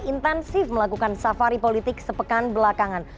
intensif melakukan safari politik sepekan belakangan